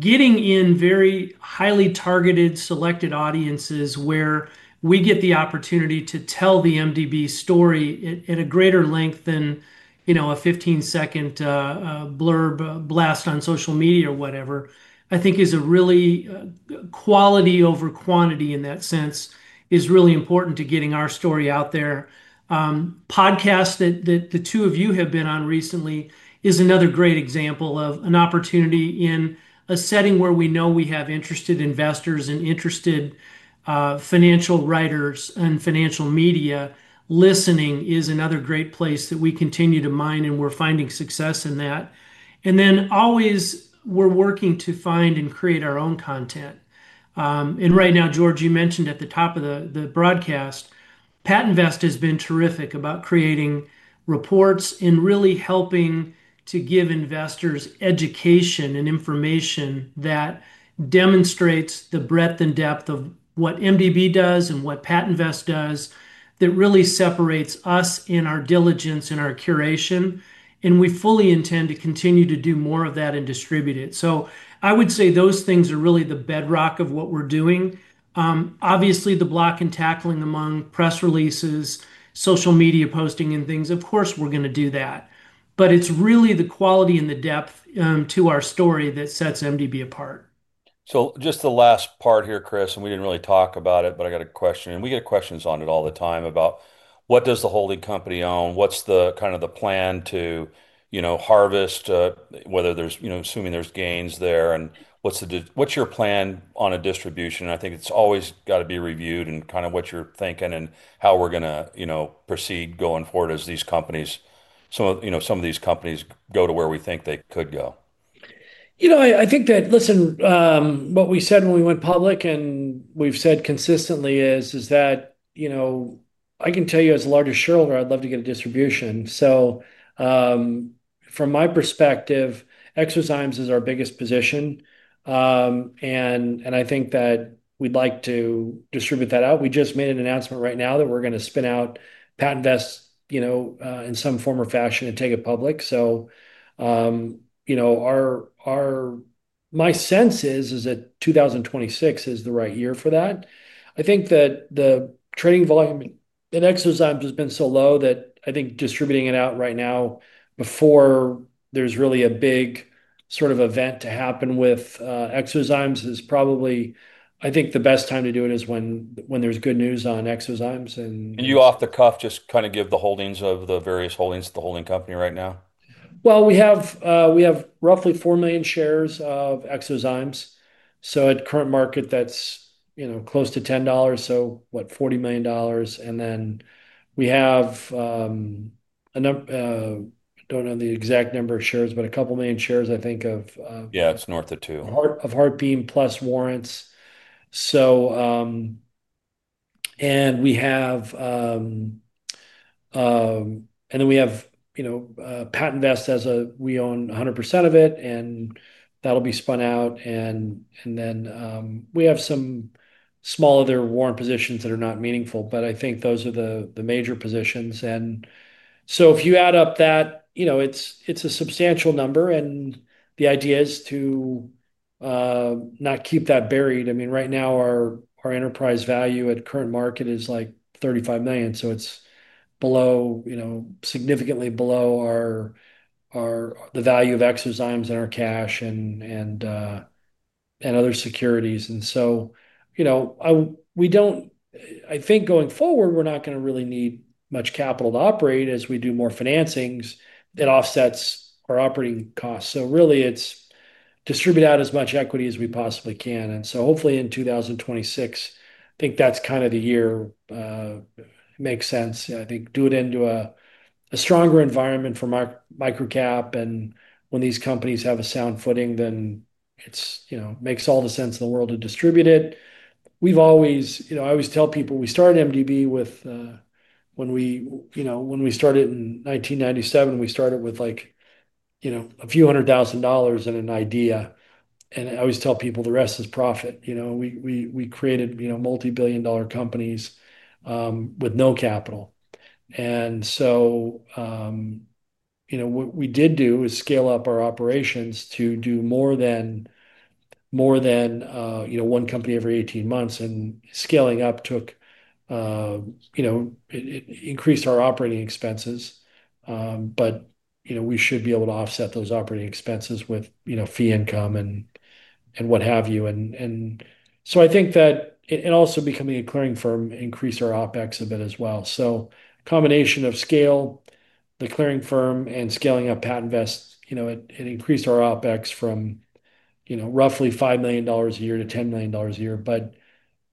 getting in very highly targeted, selected audiences where we get the opportunity to tell the MDB story at a greater length than, you know, a 15-second blurb blast on social media or whatever, I think is a really quality over quantity in that sense is really important to getting our story out there. Podcasts that the two of you have been on recently is another great example of an opportunity in a setting where we know we have interested investors and interested financial writers and financial media listening is another great place that we continue to mine, and we're finding success in that. Always we're working to find and create our own content. Right now, George, you mentioned at the top of the broadcast, PatentVest has been terrific about creating reports and really helping to give investors education and information that demonstrates the breadth and depth of what MDB does and what PatentVest does that really separates us in our diligence and our curation. We fully intend to continue to do more of that and distribute it. I would say those things are really the bedrock of what we're doing. Obviously, the block and tackling among press releases, social media posting, and things, of course, we're going to do that. It's really the quality and the depth to our story that sets MDB apart. Just the last part here, Chris, we didn't really talk about it, but I got a question. We get questions on it all the time about what does the holding company own, what's the kind of the plan to, you know, harvest, whether there's, you know, assuming there's gains there, and what's your plan on a distribution? I think it's always got to be reviewed and kind of what you're thinking and how we're going to, you know, proceed going forward as these companies, some of these companies go to where we think they could go. I think that, listen, what we said when we went public and we've said consistently is that, I can tell you as the largest shareholder, I'd love to get a distribution. From my perspective, eXoZymes is our biggest position, and I think that we'd like to distribute that out. We just made an announcement right now that we're going to spin out PatentVest in some form or fashion and take it public. My sense is that 2026 is the right year for that. I think that the trading volume in eXoZymes has been so low that distributing it out right now before there's really a big sort of event to happen with eXoZymes is probably, I think, the best time to do it is when there's good news on eXoZymes. Can you off the cuff just kind of give the holdings of the various holdings to the holding company right now? We have roughly 4 million shares of eXoZymes. At current market, that's, you know, close to $10, so, what, $40 million? Then we have, I don't know the exact number of shares, but a couple million shares, I think of. Yeah, it's north of $2 million. Of HeartBeam plus warrants. We have PatentVest as a, we own 100% of it, and that'll be spun out. We have some small other warrant positions that are not meaningful, but I think those are the major positions. If you add up that, it's a substantial number. The idea is to not keep that buried. Right now, our enterprise value at current market is like $35 million. It's significantly below the value of eXoZymes and our cash and other securities. We don't, I think going forward, we're not going to really need much capital to operate as we do more financings that offsets our operating costs. Really, it's distribute out as much equity as we possibly can. Hopefully in 2026, I think that's kind of the year makes sense. I think do it into a stronger environment for micro-cap. When these companies have a sound footing, then it makes all the sense in the world to distribute it. We've always, I always tell people we started MDB with, when we started in 1997, we started with like, a few hundred thousand dollars and an idea. I always tell people the rest is profit. We created multi-billion dollar companies with no capital. What we did do is scale up our operations to do more than, more than one company every 18 months. Scaling up took, it increased our operating expenses. We should be able to offset those operating expenses with fee income and what have you. I think that, and also becoming a clearing firm increased our OpEx a bit as well. A combination of scale, the clearing firm, and scaling up PatentVest, it increased our OpEx from roughly $5 million a year to $10 million a year.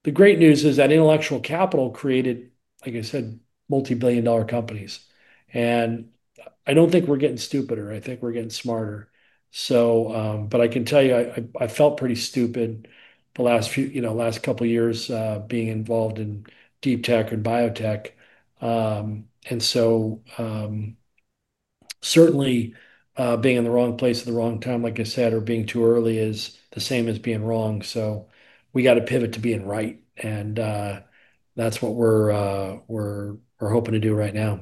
The great news is that intellectual capital created, like I said, multi-billion dollar companies. I don't think we're getting stupider. I think we're getting smarter. I can tell you I felt pretty stupid the last few, last couple of years being involved in deep tech and biotech. Certainly being in the wrong place at the wrong time, like I said, or being too early is the same as being wrong. We got to pivot to being right. That's what we're hoping to do right now.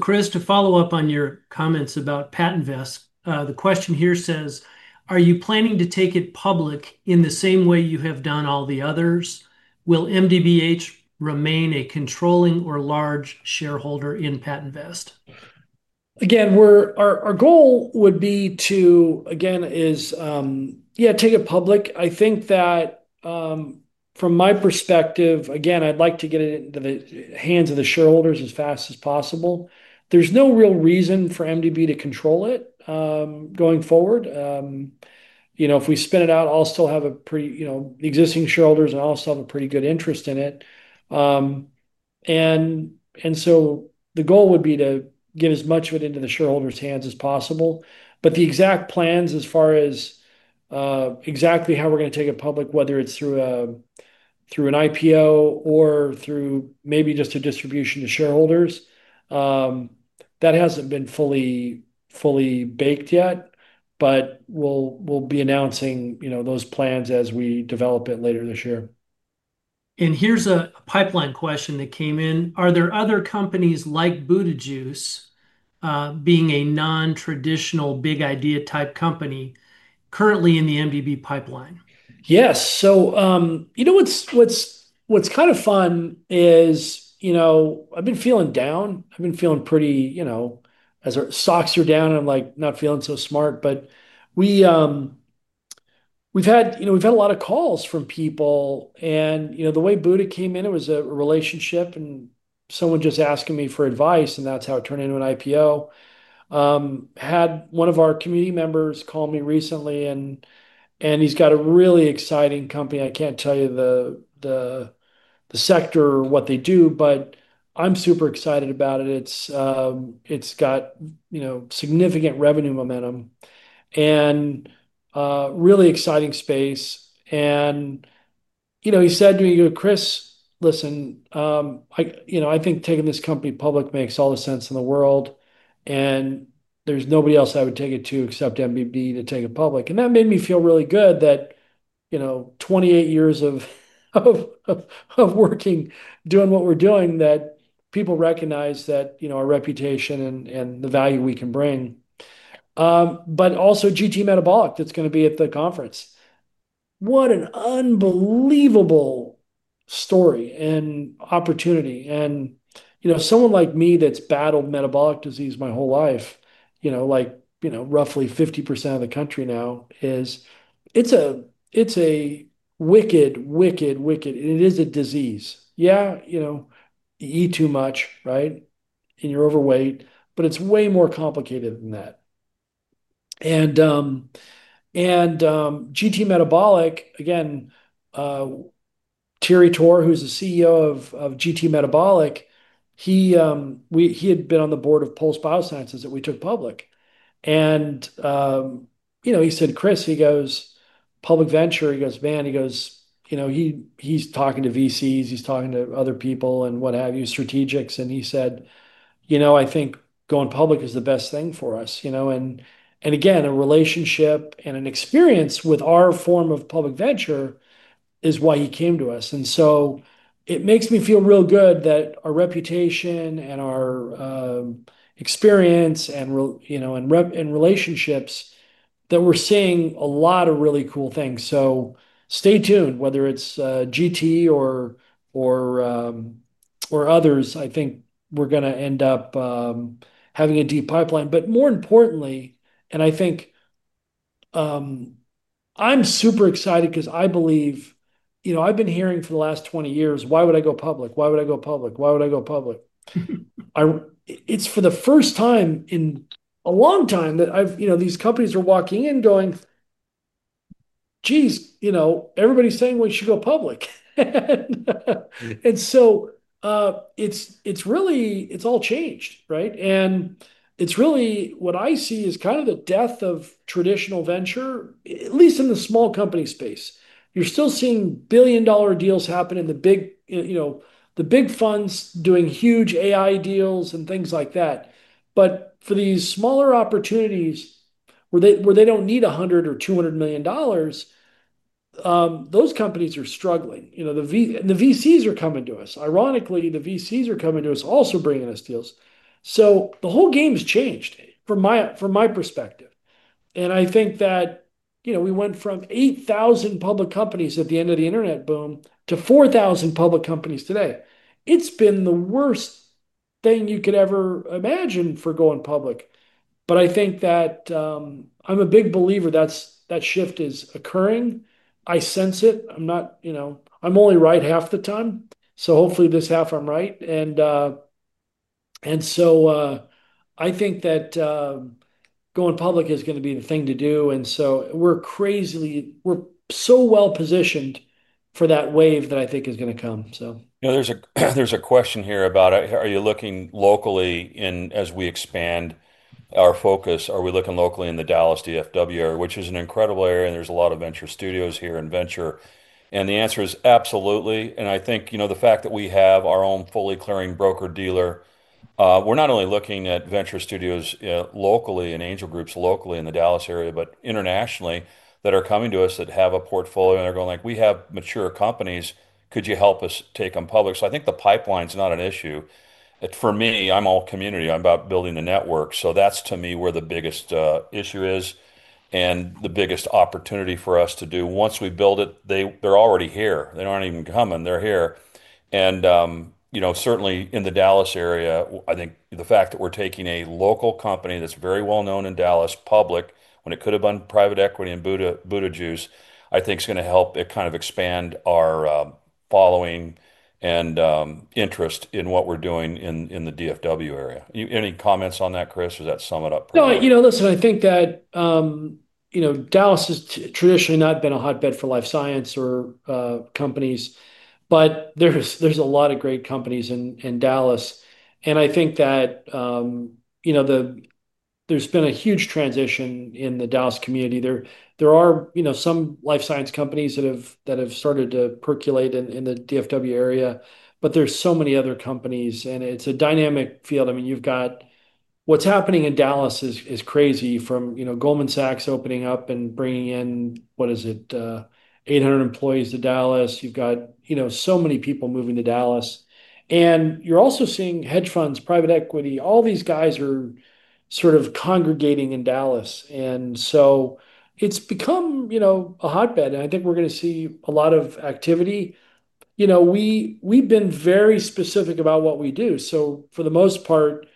Chris, to follow up on your comments about PatentVest, the question here says, are you planning to take it public in the same way you have done all the others? Will MDBH remain a controlling or large shareholder in PatentVest? Our goal would be to take it public. I think that from my perspective, I'd like to get it into the hands of the shareholders as fast as possible. There's no real reason for MDB to control it going forward. If we spin it out, the existing shareholders and I will still have a pretty good interest in it. The goal would be to get as much of it into the shareholders' hands as possible. The exact plans as far as exactly how we're going to take it public, whether it's through an IPO or through maybe just a distribution to shareholders, hasn't been fully baked yet. We'll be announcing those plans as we develop it later this year. Here's a pipeline question that came in. Are there other companies like Buda Juice, being a non-traditional big idea type company, currently in the MDB pipeline? Yes. You know, what's kind of fun is, I've been feeling down. I've been feeling pretty, you know, as our stocks are down, I'm like not feeling so smart. We've had a lot of calls from people. The way Buda came in, it was a relationship and someone just asking me for advice. That's how it turned into an IPO. Had one of our community members call me recently, and he's got a really exciting company. I can't tell you the sector or what they do, but I'm super excited about it. It's got significant revenue momentum and really exciting space. He said to me, you know, Chris, listen, I think taking this company public makes all the sense in the world. There's nobody else I would take it to except MDB to take it public. That made me feel really good that, 28 years of working, doing what we're doing, people recognize that, our reputation and the value we can bring. Also, GT Metabolic that's going to be at the conference. What an unbelievable story and opportunity. Someone like me that's battled metabolic disease my whole life, you know, like, roughly 50% of the country now is, it's a wicked, wicked, wicked, and it is a disease. You eat too much, right? You're overweight. It's way more complicated than that. GT Metabolic, again, Thierry Thaure, who's the CEO of GT Metabolic, he had been on the board of Pulse Biosciences that we took public. He said, Chris, he goes, public venture. He goes, man, he's talking to VCs, he's talking to other people and what have you, strategics. He said, I think going public is the best thing for us. Again, a relationship and an experience with our form of public venture is why he came to us. It makes me feel real good that our reputation and our experience and, in relationships that we're seeing a lot of really cool things. Stay tuned, whether it's GT or others, I think we're going to end up having a deep pipeline. More importantly, and I think I'm super excited because I believe, I've been hearing for the last 20 years, why would I go public? Why would I go public? Why would I go public? It's for the first time in a long time that I've, these companies are walking in going, geez, everybody's saying we should go public. It’s really, it’s all changed, right? It’s really what I see is kind of the death of traditional venture, at least in the small company space. You’re still seeing billion-dollar deals happen in the big, you know, the big funds doing huge AI deals and things like that. For these smaller opportunities where they don’t need $100 million or $200 million, those companies are struggling. The VCs are coming to us. Ironically, the VCs are coming to us also bringing us deals. The whole game’s changed from my perspective. I think that, you know, we went from 8,000 public companies at the end of the internet boom to 4,000 public companies today. It’s been the worst thing you could ever imagine for going public. I think that I’m a big believer that that shift is occurring. I sense it. I’m not, you know, I’m only right half the time. Hopefully this half I’m right. I think that going public is going to be the thing to do. We’re crazily, we’re so well positioned for that wave that I think is going to come. There's a question here about, are you looking locally in, as we expand our focus, are we looking locally in the Dallas DFW area, which is an incredible area, and there's a lot of Venture Studios here in Venture? The answer is absolutely. I think the fact that we have our own fully clearing broker-dealer, we're not only looking at venture studios locally and angel groups locally in the Dallas area, but internationally that are coming to us that have a portfolio and they're going like, we have mature companies, could you help us take them public? I think the pipeline's not an issue. For me, I'm all community. I'm about building the network. That's to me where the biggest issue is and the biggest opportunity for us to do. Once we build it, they're already here. They aren't even coming. They're here. Certainly in the Dallas area, I think the fact that we're taking a local company that's very well known in Dallas public when it could have been private equity in Buda Juice, I think is going to help it kind of expand our following and interest in what we're doing in the DFW area. Any comments on that, Chris, or does that sum it up? No, listen, I think that Dallas has traditionally not been a hotbed for life science or companies, but there's a lot of great companies in Dallas. I think that there's been a huge transition in the Dallas community. There are some life science companies that have started to percolate in the DFW area, but there's so many other companies. It's a dynamic field. I mean, what's happening in Dallas is crazy from Goldman Sachs opening up and bringing in, what is it, 800 employees to Dallas. You've got so many people moving to Dallas. You're also seeing hedge funds, private equity, all these guys are sort of congregating in Dallas. It's become a hotbed. I think we're going to see a lot of activity. We've been very specific about what we do. For the most part,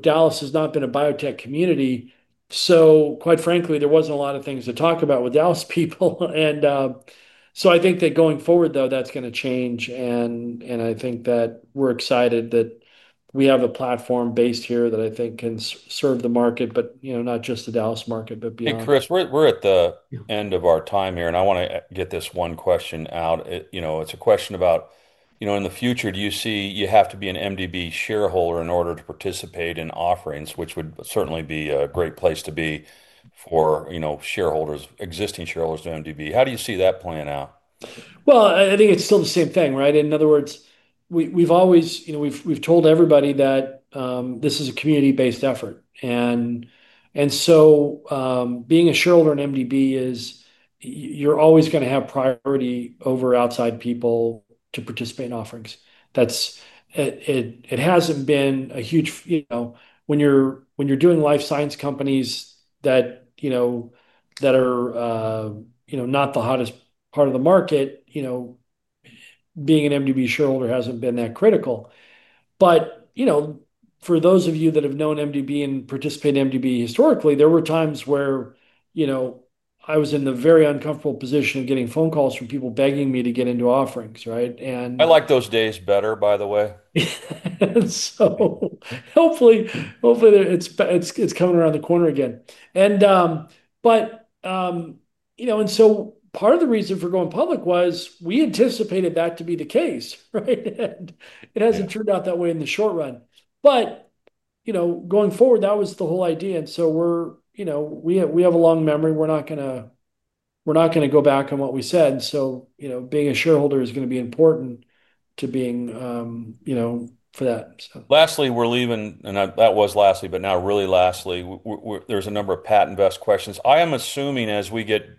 Dallas has not been a biotech community. Quite frankly, there wasn't a lot of things to talk about with Dallas people. I think that going forward, though, that's going to change. I think that we're excited that we have a platform based here that I think can serve the market, not just the Dallas market, but beyond. Chris, we're at the end of our time here. I want to get this one question out. It's a question about, in the future, do you see you have to be an MDB shareholder in order to participate in offerings, which would certainly be a great place to be for shareholders, existing shareholders to MDB. How do you see that playing out? I think it's still the same thing, right? In other words, we've always told everybody that this is a community-based effort. Being a shareholder in MDB means you're always going to have priority over outside people to participate in offerings. That's it. It hasn't been a huge deal. When you're doing life sciences companies that are not the hottest part of the market, being an MDB shareholder hasn't been that critical. For those of you that have known MDB and participated in MDB historically, there were times where I was in the very uncomfortable position of getting phone calls from people begging me to get into offerings, right? I like those days better, by the way. Hopefully it's coming around the corner again. Part of the reason for going public was we anticipated that to be the case, right? It hasn't turned out that way in the short run. Going forward, that was the whole idea. We have a long memory. We're not going to go back on what we said. Being a shareholder is going to be important to being, you know, for that. Lastly, we're leaving, and that was lastly, but now really lastly, there's a number of PatentVest questions. I am assuming as we get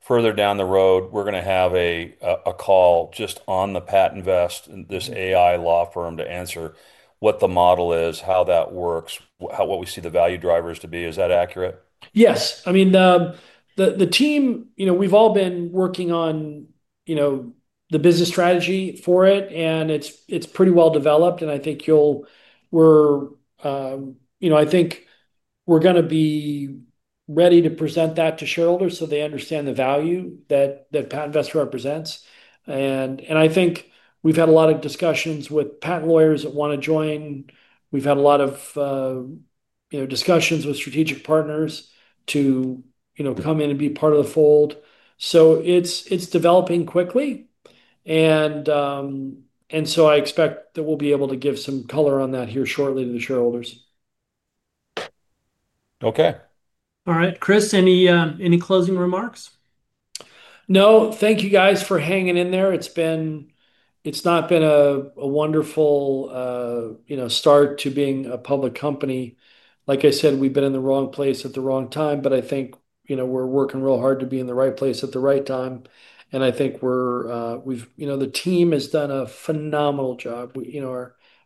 further down the road, we're going to have a call just on the PatentVest, this AI law firm to answer what the model is, how that works, what we see the value drivers to be. Is that accurate? Yes. The team, we've all been working on the business strategy for it, and it's pretty well developed. I think we're going to be ready to present that to shareholders so they understand the value that PatentVest represents. I think we've had a lot of discussions with patent lawyers that want to join. We've had a lot of discussions with strategic partners to come in and be part of the fold. It's developing quickly. I expect that we'll be able to give some color on that here shortly to the shareholders. Okay. All right, Chris, any closing remarks? No, thank you guys for hanging in there. It's been, it's not been a wonderful, you know, start to being a public company. Like I said, we've been in the wrong place at the wrong time, but I think, you know, we're working real hard to be in the right place at the right time. I think we're, you know, the team has done a phenomenal job.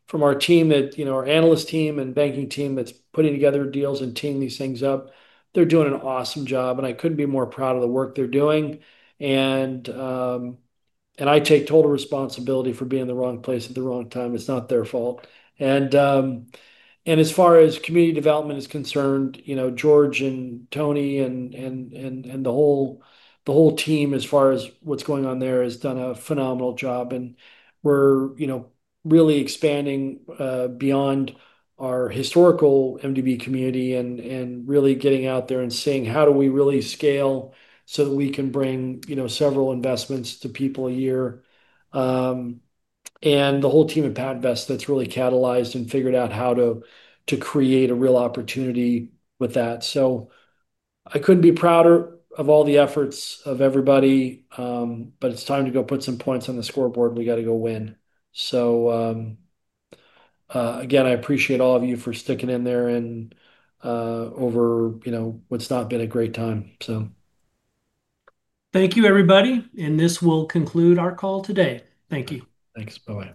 From our team that, you know, our analyst team and banking team that's putting together deals and teeing these things up, they're doing an awesome job. I couldn't be more proud of the work they're doing. I take total responsibility for being in the wrong place at the wrong time. It's not their fault. As far as community development is concerned, George and Tony and the whole team as far as what's going on there has done a phenomenal job. We're, you know, really expanding beyond our historical MDB community and really getting out there and seeing how do we really scale so that we can bring, you know, several investments to people a year. The whole team at PatentVest that's really catalyzed and figured out how to create a real opportunity with that. I couldn't be prouder of all the efforts of everybody, but it's time to go put some points on the board, and we got to go in. Again, I appreciate all of you for sticking in there and, over, you know, what's not been a great time. Thank you, everybody. This will conclude our call today. Thank you. Thanks. Bye-bye.